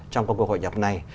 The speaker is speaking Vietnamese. trong công cuộc hội nhập này